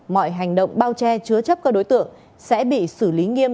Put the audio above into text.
mọi hành động bao che chứa chấp các đối tượng sẽ bị xử lý nghiêm